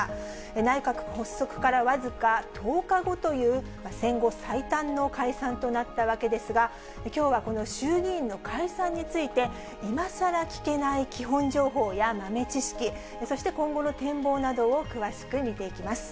内閣発足から僅か１０日後という戦後最短の解散となったわけですが、きょうはこの衆議院の解散について、今さら聞けない基本情報や豆知識、そして今後の展望などを詳しく見ていきます。